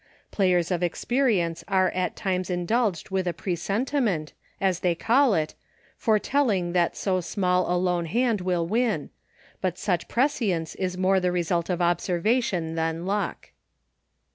Players of experience are at times indulged with a presentiment as they call it, foretelling that so small a lone hand will win, but such prescience is more the result of observation than luck.